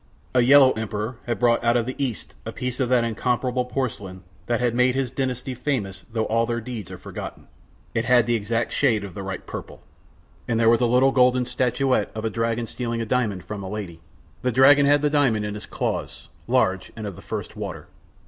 A yellow Emperor had brought out of the East a piece of that incomparable porcelain that had made his dynasty famous though all their deeds are forgotten, it had the exact shade of the right purple. And there was a little golden statuette of a dragon stealing a diamond from a lady, the dragon had the diamond in his claws, large and of the first water.